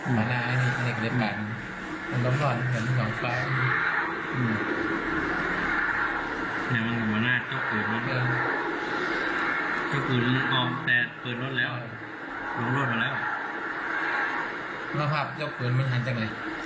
เมื่อกี้เหรอที่มันลงรถมาในผู้จัดข่านนี้ผู้หญิงครับ